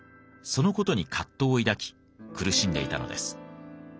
その事に葛藤を抱き苦しんでいたのです。